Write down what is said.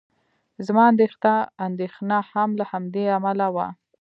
زما اندېښنه هم له همدې امله وه.